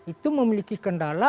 itu memiliki kendala